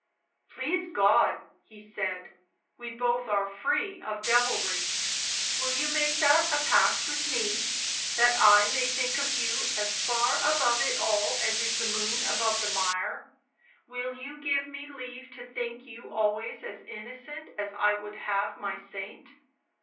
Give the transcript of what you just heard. " Please God," he said. " We both are free of devilry — will you make that a pact with me ? that I may think of you as far above it all as is the moon above the mire — will you give me leave to think you always as innocent as I w'ould have my saint